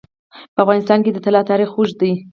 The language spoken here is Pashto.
په افغانستان کې د طلا تاریخ اوږد دی.